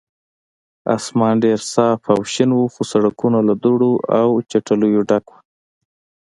اسمان ډېر صاف او شین و، خو سړکونه له دوړو او چټلیو ډک ول.